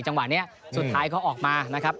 จังหวะนี้สุดท้ายเขาออกมานะครับ